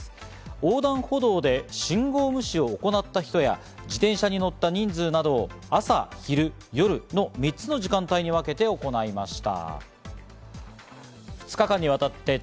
横断歩道で信号無視を行った人や、自転車に乗った人数などを朝・昼・夜の３つの時間帯に分けて行いました。